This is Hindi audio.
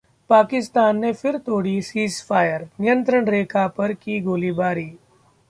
पाकिस्तान ने फिर तोड़ी सीजफायर, नियंत्रण रेखा पर की गोलीबारी